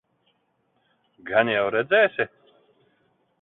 Gan jau redzēsi?